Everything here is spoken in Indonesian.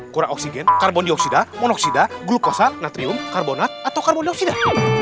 kurang oksigen karbon dioksida monoksida glukosa natrium karbonat atau karbon dioksida